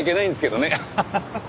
アハハハ。